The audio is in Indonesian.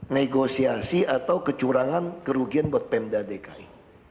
negosiasi atau kecurangan kerugian buat pemda dki